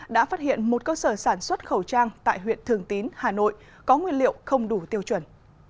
đã phát hiện một cơ sở sản xuất khẩu trang tại huyện thường tín hà nội có nguyên liệu không đủ tiêu chuẩn